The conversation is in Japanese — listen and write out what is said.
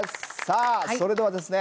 それではですね